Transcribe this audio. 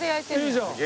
いいじゃん。